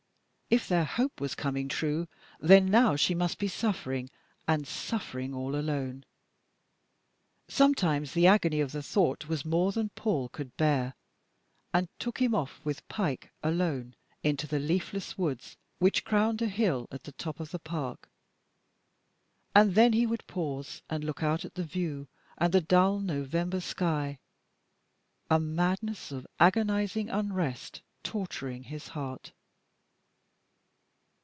If their hope was coming true, then now she must be suffering, and suffering all alone. Sometimes the agony of the thought was more than Paul could bear, and took him off with Pike alone into the leafless woods which crowned a hill at the top of the park. And then he would pause, and look out at the view, and the dull November sky, a madness of agonising unrest torturing his heart.